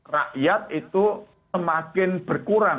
rakyat itu semakin berkurang